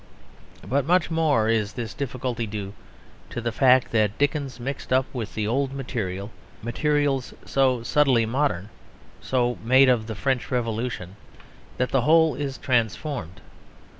But much more is this difficulty due to the fact that Dickens mixed up with the old material, materials so subtly modern, so made of the French Revolution, that the whole is transformed.